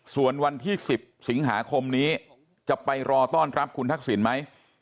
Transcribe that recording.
ส่วนวันที่๑๐สิงหาคมนี้จะไปรอต้อนรับคุณทักษิณไหม